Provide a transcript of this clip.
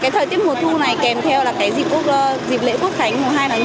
cái thời tiết mùa thu này kèm theo là cái dịp lễ quốc khánh mùng hai tháng chín